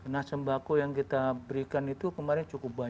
nah sembako yang kita berikan itu kemarin cukup banyak